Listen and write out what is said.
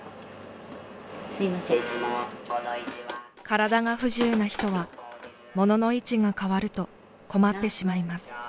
体が不自由な人は物の位置が変わると困ってしまいます。